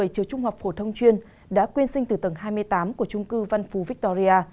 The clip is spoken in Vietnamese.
bảy trường trung học phổ thông chuyên đã quyên sinh từ tầng hai mươi tám của trung cư văn phú victoria